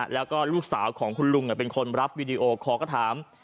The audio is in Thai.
แล้วก็ลูกสาวของคุณลุงเป็นคนรับวีดีโอคอลก็ถาม